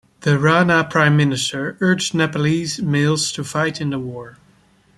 The Rana prime ministers urged Nepalese males to fight in the war.